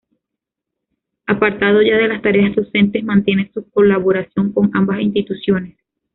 Apartado ya de las tareas docentes, mantiene su colaboración con ambas instituciones.